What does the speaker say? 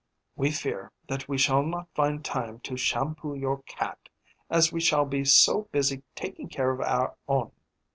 We fear that we shall not find time to shampoo your cat, as we shall be so busy taking care of our own.